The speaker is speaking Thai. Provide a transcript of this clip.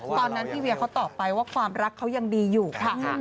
ตอนนั้นพี่เวียเขาตอบไปว่าความรักเขายังดีอยู่ค่ะ